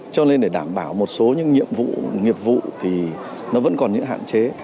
cho nên để đảm bảo một số những nhiệm vụ nghiệp vụ thì nó vẫn còn những hạn chế